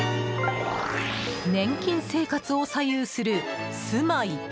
年金生活を左右する住まい。